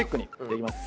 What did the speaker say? いきます。